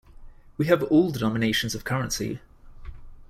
We have all denominations of currency.